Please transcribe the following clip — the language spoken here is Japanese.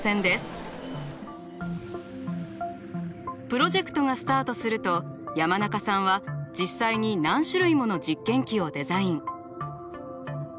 プロジェクトがスタートすると山中さんは実際に何種類もの実験機をデザイン。